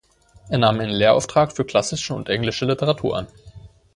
Er nahm einen Lehrauftrag für klassische und englische Literatur an.